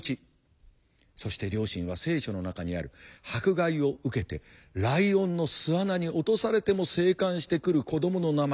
そして両親は「聖書」の中にある「迫害を受けてライオンの巣穴に落とされても生還してくる子どもの名前」